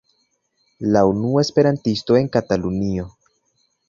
La unua Esperantisto en Katalunio.